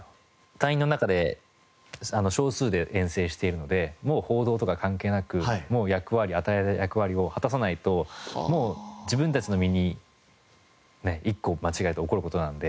隊員の中で少数で編成しているのでもう報道とか関係なく与えられた役割を果たさないともう自分たちの身にねえ１個間違えたら起こる事なんで。